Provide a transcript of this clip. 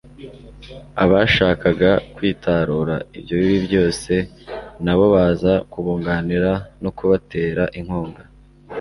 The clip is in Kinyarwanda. abashakaga kwitarura ibyo bibi byose na bo baza kubunganira no kubatera inkunga